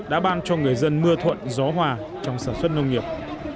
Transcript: đã ban cho người dân mưa thuận gió hòa trong sản xuất nông nghiệp